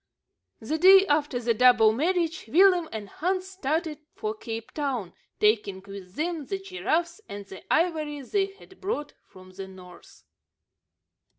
The day after the double marriage, Willem and Hans started for Cape Town, taking with them the giraffes and the ivory they had brought from the north.